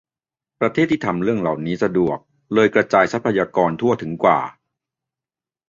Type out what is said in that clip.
ประเทศที่ทำเรื่องเหล่านี้สะดวกเลยกระจายทรัพยากรทั่วถึงกว่า ?